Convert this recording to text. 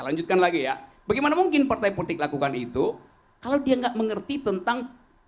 lanjutkan lagi ya bagaimana mungkin partai politik lakukan itu kalau dia nggak mengerti tentang